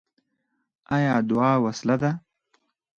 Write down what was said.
آیا دعا وسله ده؟